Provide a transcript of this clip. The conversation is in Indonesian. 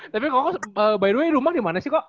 tapi ko ko by the way rumah dimana sih ko